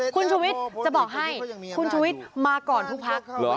คุณชุวิตจะบอกให้คุณชุวิตมาก่อนทุกพัก